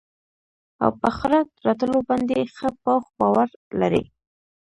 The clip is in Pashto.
او په آخرت راتلو باندي ښه پوخ باور لري